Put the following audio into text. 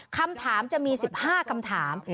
คำถามจะมี๑๕คำถาม